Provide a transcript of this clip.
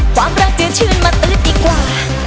ความรักจะชื่นมาตื้นดีกว่า